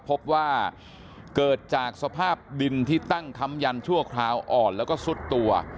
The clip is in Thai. พบว่าเกิดจากสภาพดินที่ตั้งค้ำยันชั่วคราวอ่อนแล้วก็ซุดตัว